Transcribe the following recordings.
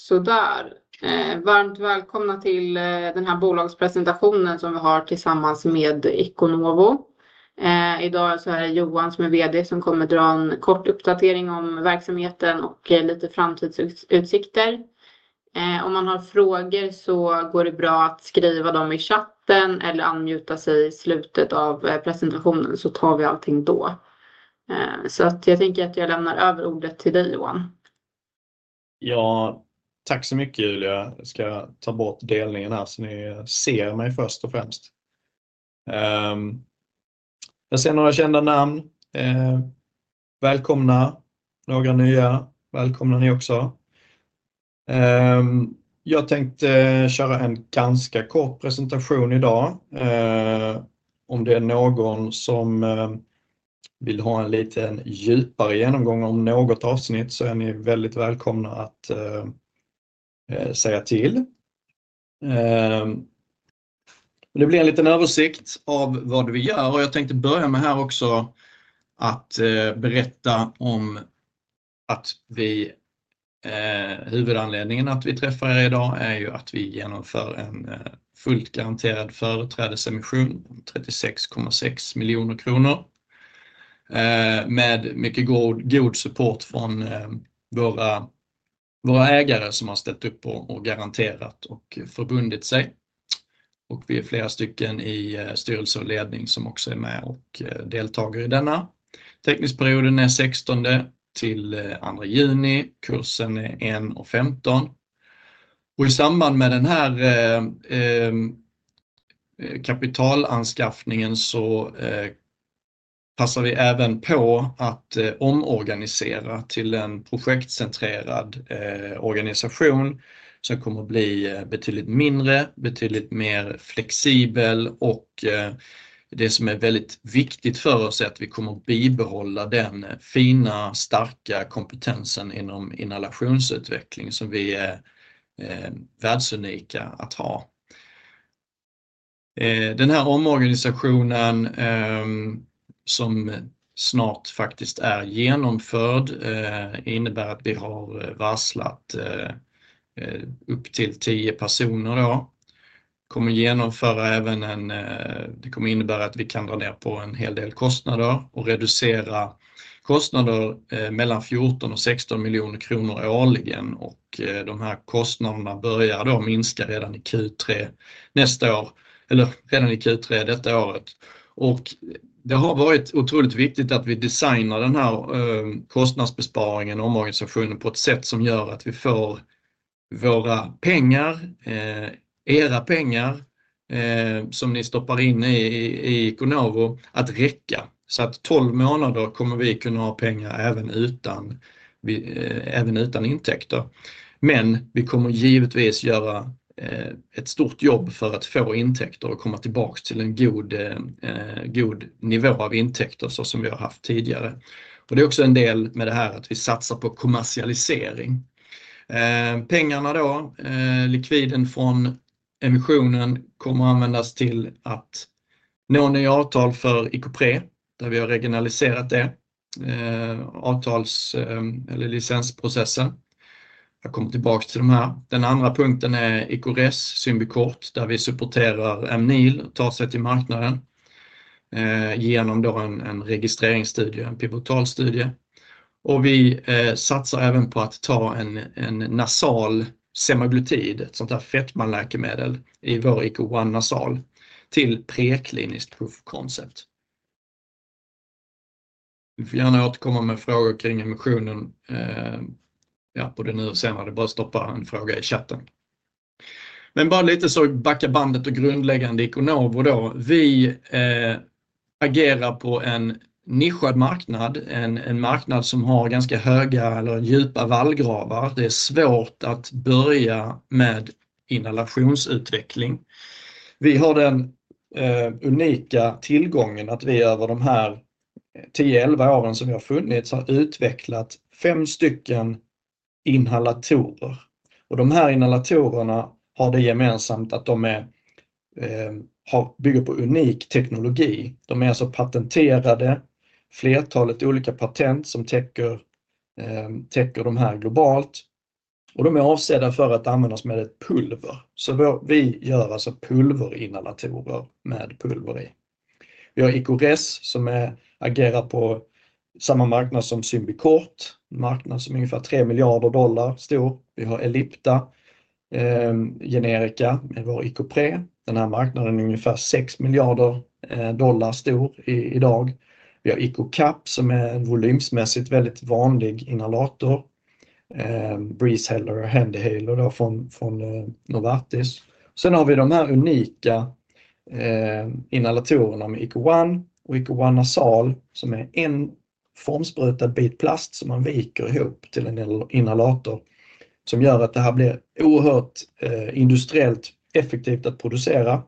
Så där. Varmt välkomna till den här bolagspresentationen som vi har tillsammans med Iconovo. Idag så är det Johan som är VD som kommer dra en kort uppdatering om verksamheten och lite framtidsutsikter. Om man har frågor så går det bra att skriva dem i chatten eller unmuta sig i slutet av presentationen, så tar vi allting då. Jag tänker att jag lämnar över ordet till dig, Johan. Ja, tack så mycket, Julia. Jag ska ta bort delningen här så ni ser mig först och främst. Jag ser några kända namn, välkomna. Några nya, välkomna ni också. Jag tänkte köra en ganska kort presentation idag. Om det är någon som vill ha en liten djupare genomgång om något avsnitt så är ni väldigt välkomna att säga till. Det blir en liten översikt av vad vi gör. Jag tänkte börja med här också att berätta om att huvudanledningen att vi träffar idag är ju att vi genomför en fullt garanterad företrädesemission på 36,6 miljoner kronor med mycket god support från våra ägare som har ställt upp och garanterat och förbundit sig. Vi är flera stycken i styrelse och ledning som också är med och deltagare i denna. Teknisk perioden är 16:e till 2 juni. Kursen är 1:15. Och i samband med den här kapitalanskaffningen så passar vi även på att omorganisera till en projektcentrerad organisation som kommer att bli betydligt mindre, betydligt mer flexibel. Och det som är väldigt viktigt för oss är att vi kommer att bibehålla den fina, starka kompetensen inom inhalationsutveckling som vi är världsunika att ha. Den här omorganisationen som snart faktiskt är genomförd innebär att vi har varslat upp till tio personer då. Kommer genomföra även en det kommer innebära att vi kan dra ner på en hel del kostnader och reducera kostnader mellan 14 och 16 miljoner kronor årligen. Och de här kostnaderna börjar då minska redan i Q3 nästa år. Eller redan i Q3 detta året. Och det har varit otroligt viktigt att vi designar den här kostnadsbesparingen och omorganisationen på ett sätt som gör att vi får våra pengar, era pengar som ni stoppar in i Iconovo, att räcka. Så att tolv månader kommer vi kunna ha pengar även utan intäkter. Men vi kommer givetvis göra ett stort jobb för att få intäkter och komma tillbaka till en god nivå av intäkter så som vi har haft tidigare. Och det är också en del med det här att vi satsar på kommersialisering. Pengarna då, likviden från emissionen kommer användas till att nå nya avtal för ICOPRE, där vi har regionaliserat avtals- eller licensprocessen. Jag kommer tillbaka till de här. Den andra punkten är ICORES, SymbiCort, där vi supporterar Amneal ta sig till marknaden genom en registreringsstudie, en pivotalstudie. Och vi satsar även på att ta en nasal semaglutid, ett sånt där fetmaläkemedel i vår ICO One nasal, till prekliniskt proof of concept. Vi får gärna återkomma med frågor kring emissionen. Ja, på det nu och senare är det bara att stoppa en fråga i chatten. Men bara lite så backar bandet och grundläggande Iconovo då. Vi agerar på en nischad marknad, en marknad som har ganska höga eller djupa vallgravar. Det är svårt att börja med inhalationsutveckling. Vi har den unika tillgången att vi över de här 10-11 åren som vi har funnits har utvecklat fem stycken inhalatorer. Och de här inhalatorerna har det gemensamt att de har bygger på unik teknologi. De är alltså patenterade, flertalet olika patent som täcker de här globalt. Och de är avsedda för att användas med ett pulver. Så vi gör alltså pulverinhalatorer med pulver i. Vi har ICORES som agerar på samma marknad som SymbiCort, en marknad som är ungefär $3 miljarder stor. Vi har Ellipta, Generica med vår ICOPRE. Den här marknaden är ungefär $6 miljarder stor idag. Vi har ICOCAP som är en volymsmässigt väldigt vanlig inhalator. Breeze Heller och Handy Halo då från Novartis. Sen har vi de här unika inhalatorerna med ICO One och ICO One Nasal som är en formsprutad bit plast som man viker ihop till en inhalator. Som gör att det här blir oerhört industriellt effektivt att producera.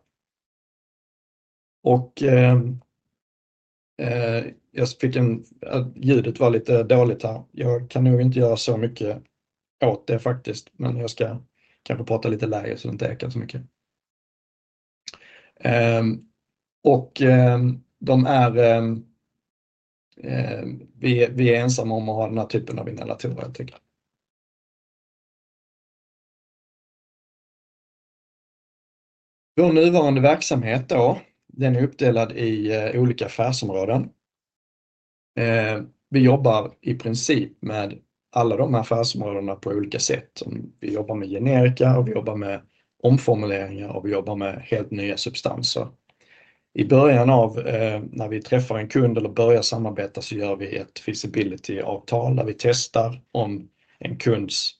Jag fick en ljudet var lite dåligt här. Jag kan nog inte göra så mycket åt det faktiskt. Men jag ska kanske prata lite lägre så det inte ekar så mycket. De är vi ensamma om att ha den här typen av inhalatorer helt enkelt. Vår nuvarande verksamhet då, den är uppdelad i olika affärsområden. Vi jobbar i princip med alla de här affärsområdena på olika sätt. Vi jobbar med Generica och vi jobbar med omformuleringar och vi jobbar med helt nya substanser. I början av när vi träffar en kund eller börjar samarbeta så gör vi ett feasibility-avtal där vi testar om en kunds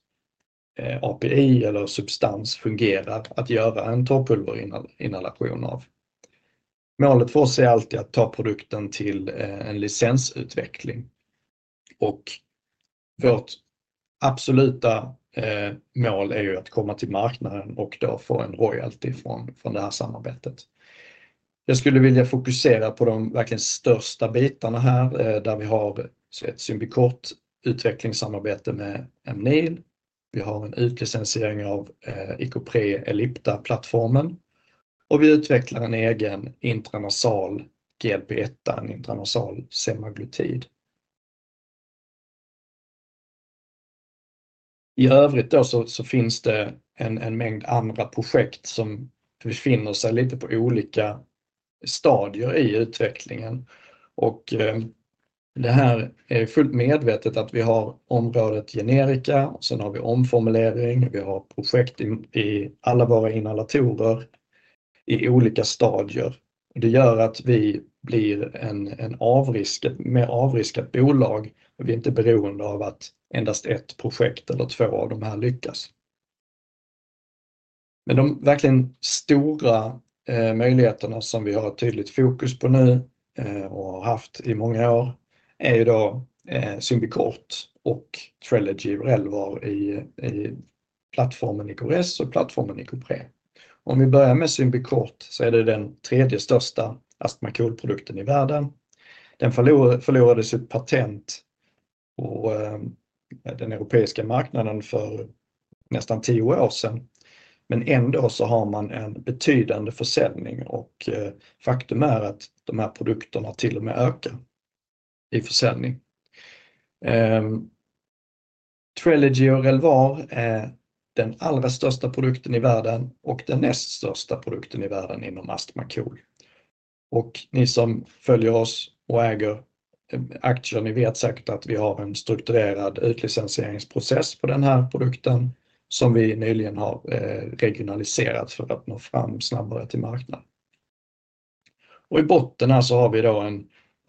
API eller substans fungerar att göra en torrpulverinhalation av. Målet för oss är alltid att ta produkten till en licensutveckling. Vårt absoluta mål är ju att komma till marknaden och då få en royalty från det här samarbetet. Jag skulle vilja fokusera på de verkligen största bitarna här där vi har ett SymbiCort-utvecklingssamarbete med Amneal. Vi har en utlicensiering av ICOPRE-Ellipta-plattformen. Vi utvecklar en egen intranasal GLP-1, en intranasal semaglutid. I övrigt finns det en mängd andra projekt som befinner sig lite på olika stadier i utvecklingen. Det här är fullt medvetet att vi har området Generica och sen har vi omformulering. Vi har projekt i alla våra inhalatorer i olika stadier. Det gör att vi blir ett mer avriskat bolag. Vi är inte beroende av att endast ett projekt eller två av de här lyckas. Men de verkligen stora möjligheterna som vi har tydligt fokus på nu och har haft i många år är SymbiCort och Trelegy i plattformen ICORES och plattformen ICOPRE. Om vi börjar med SymbiCort så är det den tredje största astmaprodukten i världen. Den förlorade sitt patent på den europeiska marknaden för nästan tio år sedan. Men ändå har man en betydande försäljning. Och faktum är att de här produkterna till och med ökar i försäljning. Trelegy och Relvar är den allra största produkten i världen och den näst största produkten i världen inom astma/KOL. Och ni som följer oss och äger aktier ni vet säkert att vi har en strukturerad utlicenseringsprocess på den här produkten som vi nyligen har regionaliserat för att nå fram snabbare till marknaden. Och i botten här så har vi då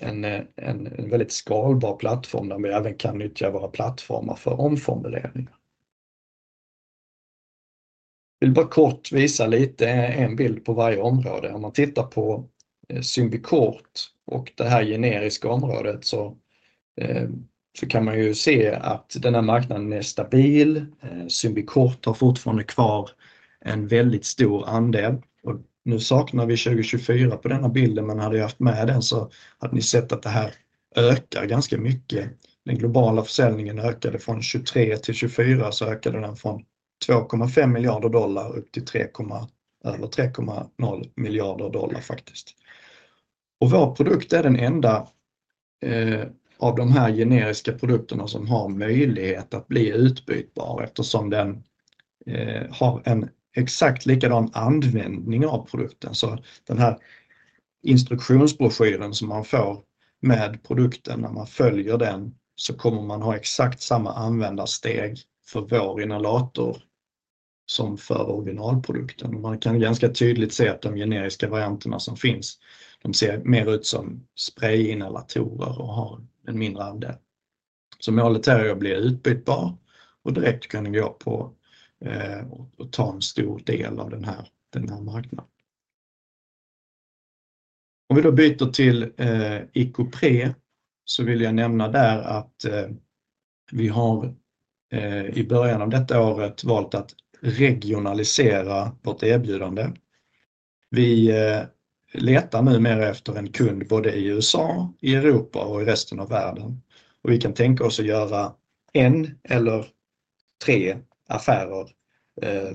en väldigt skalbar plattform där vi även kan nyttja våra plattformar för omformuleringar. Jag vill bara kort visa lite en bild på varje område. Om man tittar på Symbicort och det här generiska området så kan man ju se att den här marknaden är stabil. Symbicort har fortfarande kvar en väldigt stor andel. Och nu saknar vi 2024 på denna bilden, men hade jag haft med den så hade ni sett att det här ökar ganska mycket. Den globala försäljningen ökade från 23 till 24, så ökade den från $2,5 miljarder upp till över $3,0 miljarder faktiskt. Vår produkt är den enda av de här generiska produkterna som har möjlighet att bli utbytbar eftersom den har en exakt likadan användning av produkten. Så den här instruktionsbroschyren som man får med produkten, när man följer den så kommer man ha exakt samma användarsteg för vår inhalator som för originalprodukten. Man kan ganska tydligt se att de generiska varianterna som finns ser mer ut som sprayinhalatorer och har en mindre andel. Så målet här är att bli utbytbar och direkt kunna gå på och ta en stor del av den här marknaden. Om vi då byter till ICOPRE så vill jag nämna där att vi har i början av detta året valt att regionalisera vårt erbjudande. Vi letar numera efter en kund både i USA, i Europa och i resten av världen. Och vi kan tänka oss att göra en eller tre affärer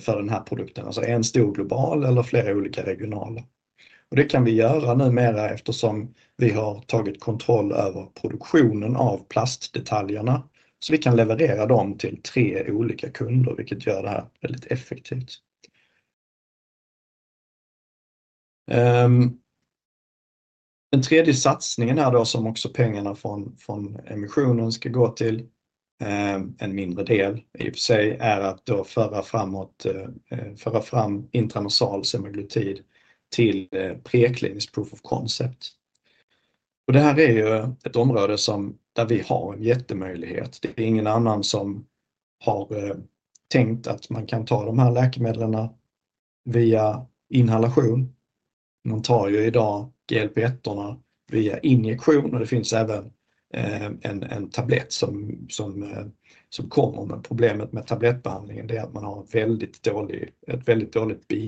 för den här produkten. Alltså en stor global eller flera olika regionala. Och det kan vi göra numera eftersom vi har tagit kontroll över produktionen av plastdetaljerna. Så vi kan leverera dem till tre olika kunder vilket gör det här väldigt effektivt. Den tredje satsningen här då som också pengarna från emissionen ska gå till en mindre del i och för sig är att då föra framåt föra fram intranasal semaglutid till prekliniskt proof of concept. Och det här är ju ett område som där vi har en jättemöjlighet. Det är ingen annan som har tänkt att man kan ta de här läkemedlen via inhalation. Man tar ju idag GLP-1 via injektion och det finns även en tablett som kommer. Men problemet med tablettbehandlingen det är att man har väldigt dålig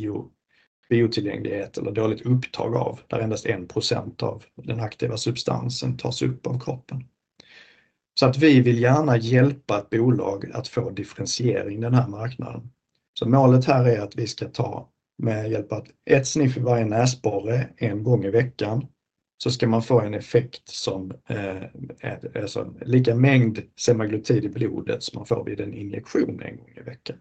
biotillgänglighet eller dåligt upptag där endast 1% av den aktiva substansen tas upp av kroppen. Så vi vill gärna hjälpa ett bolag att få differentiering i den här marknaden. Målet här är att vi ska ta med hjälp av ett sniff i varje näsborre en gång i veckan. Så ska man få en effekt som är lika mängd semaglutid i blodet som man får vid en injektion en gång i veckan.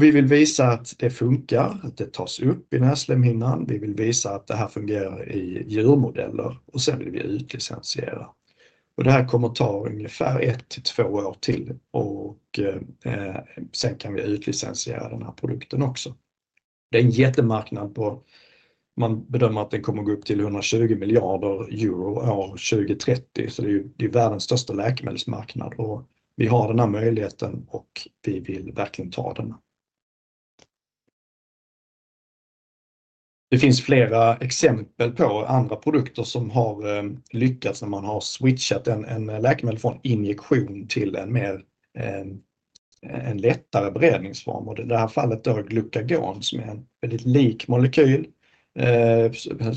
Vi vill visa att det funkar att det tas upp i näslemhinnan. Vi vill visa att det här fungerar i djurmodeller och sen vill vi utlicensera. Det här kommer ta ungefär ett till två år till och sen kan vi utlicensera den här produkten också. Det är en jättemarknad som man bedömer att den kommer att gå upp till €120 miljarder år 2030. Det är ju världens största läkemedelsmarknad och vi har den här möjligheten och vi vill verkligen ta denna. Det finns flera exempel på andra produkter som har lyckats när man har switchat ett läkemedel från injektion till en mer lättare beredningsform. I det här fallet då Glucagon som är en väldigt lik molekyl.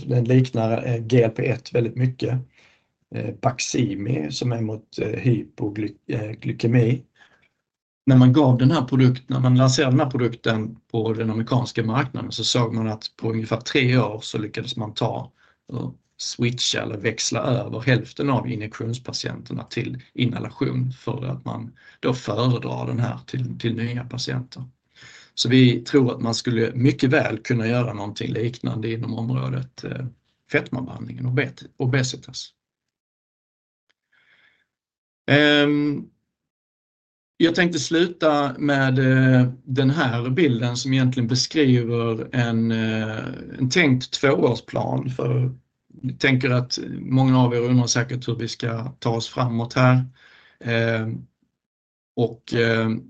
Den liknar GLP-1 väldigt mycket. Baqsimi som är mot hypoglykemi. När man gav den här produkten, när man lanserade den här produkten på den amerikanska marknaden, så såg man att på ungefär tre år så lyckades man ta och switcha eller växla över hälften av injektionspatienterna till inhalation för att man då föredrar den här till nya patienter. Så vi tror att man skulle mycket väl kunna göra något liknande inom området fetmabehandlingen och obesitas. Jag tänkte sluta med den här bilden som egentligen beskriver en tänkt tvåårsplan för jag tänker att många av er undrar säkert hur vi ska ta oss framåt här. Att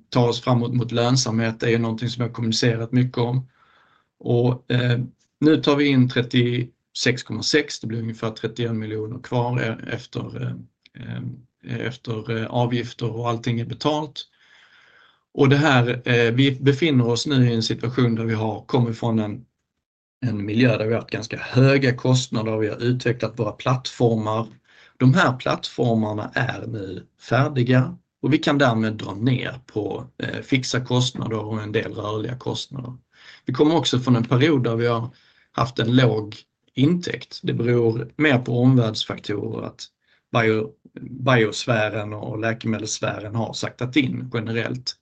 ta oss framåt mot lönsamhet är ju något som jag har kommunicerat mycket om. Nu tar vi in 36,6 miljoner kronor, det blir ungefär 31 miljoner kvar efter att avgifter och allting är betalt. Och det här vi befinner oss nu i en situation där vi har kommit från en miljö där vi har haft ganska höga kostnader och vi har utvecklat våra plattformar. De här plattformarna är nu färdiga och vi kan därmed dra ner på fixa kostnader och en del rörliga kostnader. Vi kommer också från en period där vi har haft en låg intäkt. Det beror mer på omvärldsfaktorer att biosfären och läkemedelsvärlden har saktat in generellt.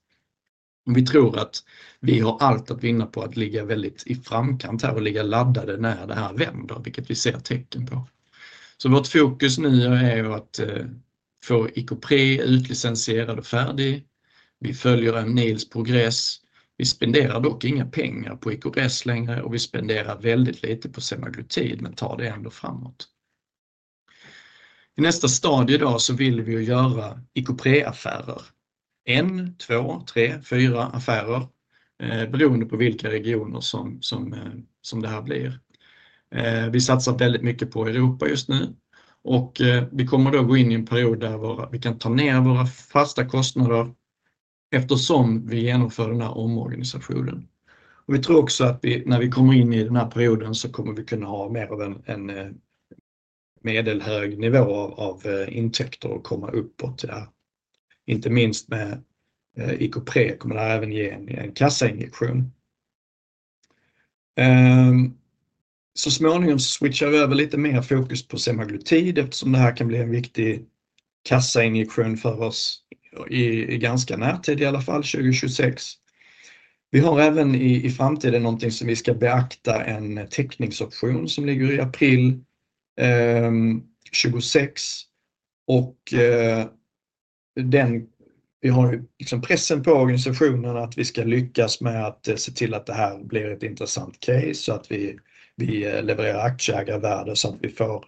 Men vi tror att vi har allt att vinna på att ligga väldigt i framkant här och ligga laddade när det här vänder vilket vi ser tecken på. Så vårt fokus nu är ju att få ICOPRE utlicensierad och färdig. Vi följer Amneels progress. Vi spenderar dock inga pengar på ICORES längre och vi spenderar väldigt lite på semaglutid men tar det ändå framåt. I nästa stadie idag så vill vi ju göra ICOPRE-affärer. En, två, tre, fyra affärer beroende på vilka regioner som det här blir. Vi satsar väldigt mycket på Europa just nu och vi kommer då gå in i en period där vi kan ta ner våra fasta kostnader eftersom vi genomför den här omorganisationen. Vi tror också att vi när vi kommer in i den här perioden så kommer vi kunna ha mer av en medelhög nivå av intäkter och komma uppåt där. Inte minst med ICOPRE kommer det här även ge en kassainjektion. Så småningom så switchar vi över lite mer fokus på semaglutid eftersom det här kan bli en viktig kassainjektion för oss i ganska närtid, i alla fall 2026. Vi har även i framtiden någonting som vi ska beakta, en täckningsoption som ligger i april 2026. Och den vi har ju liksom pressen på organisationen att vi ska lyckas med att se till att det här blir ett intressant case så att vi levererar aktieägarvärde så att vi får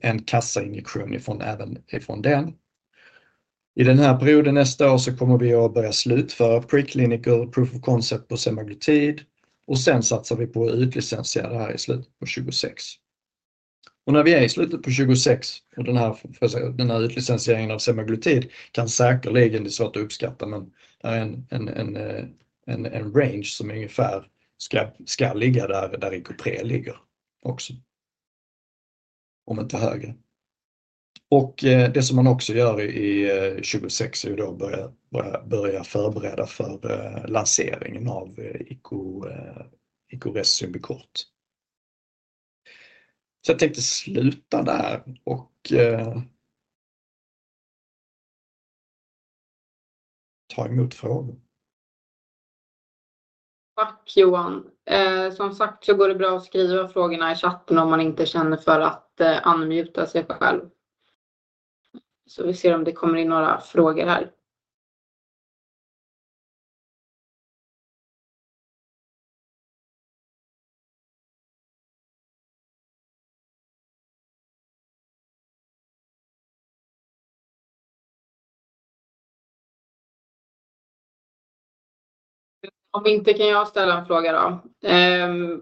en kassainjektion från även från den. I den här perioden nästa år så kommer vi att börja slutföra preklinical proof of concept på semaglutid och sen satsar vi på att utlicensiera det här i slutet på 2026. När vi är i slutet på 2026 och den här utlicensieringen av semaglutid kan säkerligen det är svårt att uppskatta men det här är en range som ungefär ska ligga där där ICOPRE ligger också. Om inte högre. Det som man också gör i 2026 är ju då att börja förbereda för lanseringen av ICORES SymbiCort. Så jag tänkte sluta där och ta emot frågor. Tack Johan. Som sagt så går det bra att skriva frågorna i chatten om man inte känner för att unmuta sig själv. Så vi ser om det kommer in några frågor här. Om inte kan jag ställa en fråga då.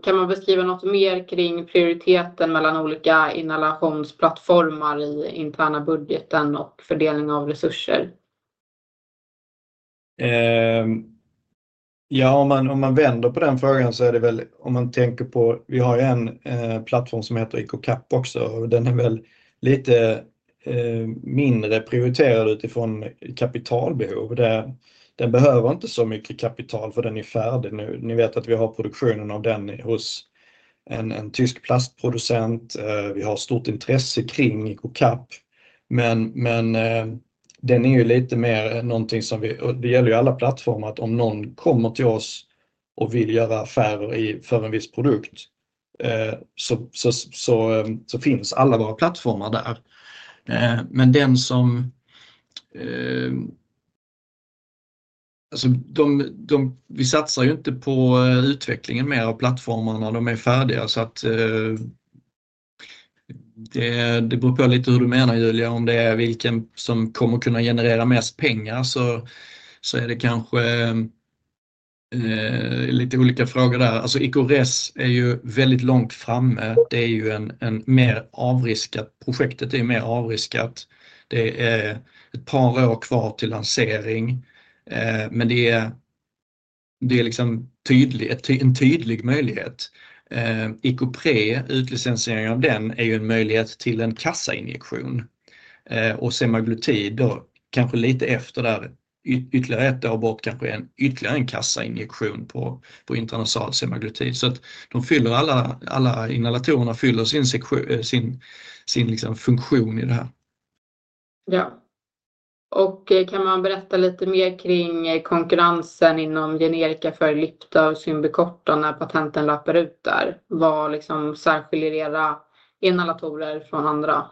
Kan man beskriva något mer kring prioriteten mellan olika inhalationsplattformar i interna budgeten och fördelning av resurser? Ja, om man vänder på den frågan så är det väl om man tänker på vi har ju en plattform som heter ICOCAP också och den är väl lite mindre prioriterad utifrån kapitalbehov. Där den behöver inte så mycket kapital för den är färdig nu. Ni vet att vi har produktionen av den hos en tysk plastproducent. Vi har stort intresse kring ICOCAP. Men den är ju lite mer någonting som vi och det gäller ju alla plattformar att om någon kommer till oss och vill göra affärer för en viss produkt så finns alla våra plattformar där. Men den som, de vi satsar ju inte på utvecklingen mer av plattformarna när de är färdiga så att det beror på lite hur du menar Julia om det är vilken som kommer kunna generera mest pengar så är det kanske lite olika frågor där. ICORES är ju väldigt långt framme. Det är ju ett mer avriskat projekt, det är ju mer avriskat. Det är ett par år kvar till lansering. Men det är liksom tydlig, en tydlig möjlighet. ICOPRE utlicensiering av den är ju en möjlighet till en kassainjektion. Och semaglutid då kanske lite efter där ytterligare ett år bort kanske en ytterligare en kassainjektion på på intranasal semaglutid. Så att de fyller alla alla inhalatorerna fyller sin sin sin liksom funktion i det här. Ja. Och kan man berätta lite mer kring konkurrensen inom generika för Lykta och SymbiCort när patenten löper ut där? Vad liksom särskiljer era inhalatorer från andra?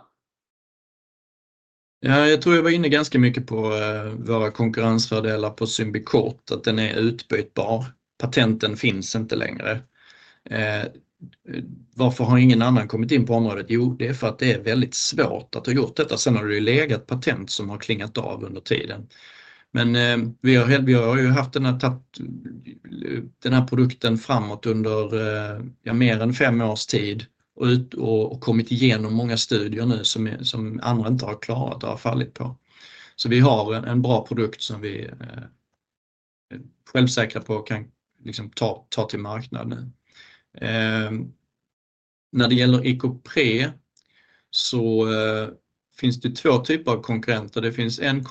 Jag tror jag var inne ganska mycket på våra konkurrensfördelar på SymbiCort att den är utbytbar. Patenten finns inte längre. Varför har ingen annan kommit in på området? Jo det är för att det är väldigt svårt att ha gjort detta. Sen har det ju legat patent som har klingat av under tiden. Men vi har ju haft den här produkten framåt under ja mer än fem års tid och kommit igenom många studier nu som andra inte har klarat och har fallit på. Så vi har en bra produkt som vi är självsäkra på och kan ta till marknad nu. När det gäller ICOPRE så finns det två typer av konkurrenter. Det finns en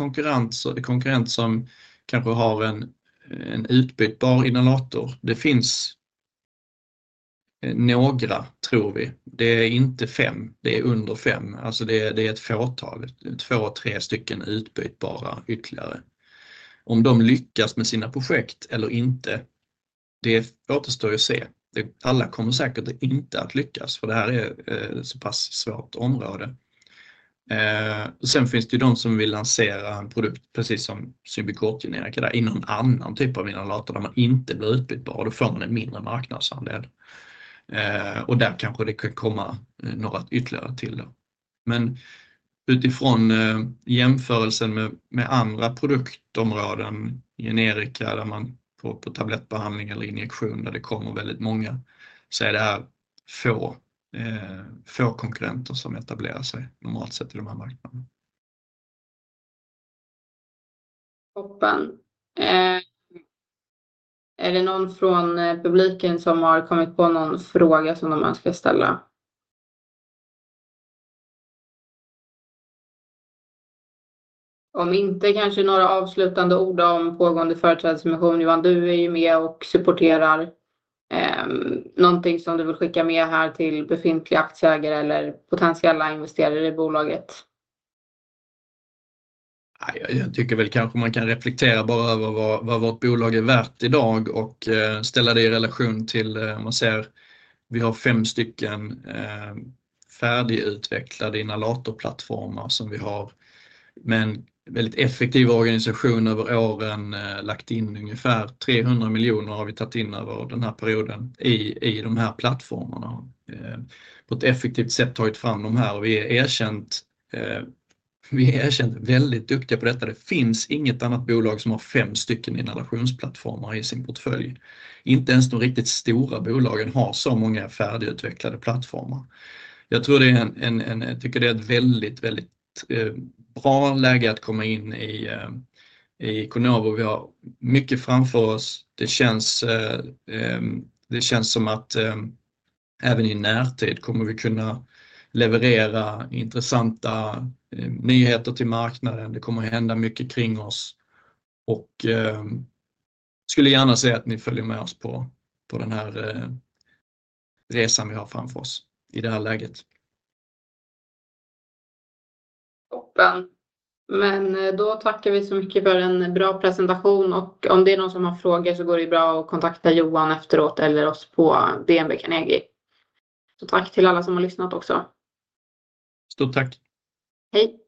konkurrent som kanske har en utbytbar inhalator. Det finns några tror vi. Det är inte fem. Det är under fem. Alltså det är ett fåtal. Två och tre stycken utbytbara ytterligare. Om de lyckas med sina projekt eller inte det återstår ju att se. Alla kommer säkert inte att lyckas för det här är så pass svårt område. Sen finns det ju de som vill lansera en produkt precis som SymbiCort generika där i någon annan typ av inhalator där man inte blir utbytbar och då får man en mindre marknadsandel. Och där kanske det kan komma några ytterligare till då. Men utifrån jämförelsen med andra produktområden generika där man på tablettbehandling eller injektion där det kommer väldigt många så är det här få konkurrenter som etablerar sig normalt sett i de här marknaderna. Toppen. Är det någon från publiken som har kommit på någon fråga som de önskar ställa? Om inte kanske några avslutande ord om pågående företrädesemission. Johan du är ju med och supporterar någonting som du vill skicka med här till befintliga aktieägare eller potentiella investerare i bolaget. Nej, jag tycker väl kanske man kan reflektera bara över vad vårt bolag är värt idag och ställa det i relation till om man ser vi har fem stycken färdigutvecklade inhalatorplattformar som vi har. Men väldigt effektiva organisationer över åren lagt in ungefär 300 miljoner kronor har vi tagit in över den här perioden i de här plattformarna på ett effektivt sätt tagit fram de här och vi är erkänt vi är väldigt duktiga på detta. Det finns inget annat bolag som har fem stycken inhalationsplattformar i sin portfölj. Inte ens de riktigt stora bolagen har så många färdigutvecklade plattformar. Jag tror det är ett väldigt bra läge att komma in i Iconovo. Vi har mycket framför oss. Det känns som att även i närtid kommer vi kunna leverera intressanta nyheter till marknaden. Det kommer att hända mycket kring oss. Och skulle gärna säga att ni följer med oss på den här resan vi har framför oss i det här läget. Toppen. Men då tackar vi så mycket för en bra presentation och om det är någon som har frågor så går det ju bra att kontakta Johan efteråt eller oss på DNB Carnegie. Så tack till alla som har lyssnat också. Stort tack. Hej.